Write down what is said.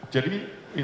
jadi itu mempengaruhi